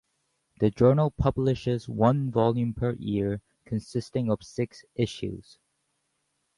The journal publishes one volume per year, consisting of six issues.